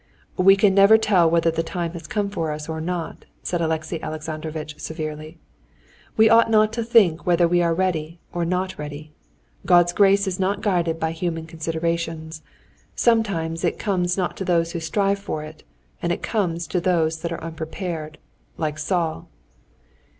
"We can never tell whether the time has come for us or not," said Alexey Alexandrovitch severely. "We ought not to think whether we are ready or not ready. God's grace is not guided by human considerations: sometimes it comes not to those that strive for it, and comes to those that are unprepared, like Saul."